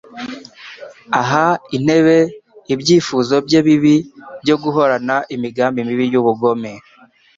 Aha intebe ibyifuzo bye bibi byo guhorana imigambi mibi y'ubugome,